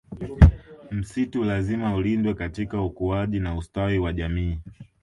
Msitu lazima ulindwe katika ukuaji na ustawi wa jamii